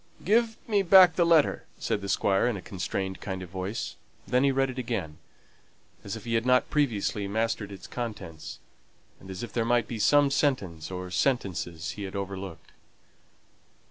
"Give me back the letter," said the Squire, in a constrained kind of voice. Then he read it again, as if he had not previously mastered its contents, and as if there might be some sentence or sentences he had overlooked.